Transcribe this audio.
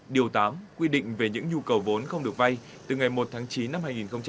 điều tám quy định về những nhu cầu vốn không được vay từ ngày một tháng chín năm hai nghìn hai mươi